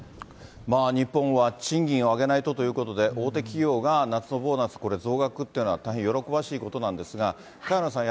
日本は賃金を上げないとということで、大手企業が夏のボーナス、これ、増額というのは大変喜ばしいことなんですが、萱野さん